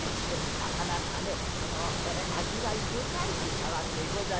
なかなかねこの味わい深い茶碗でございましてね」。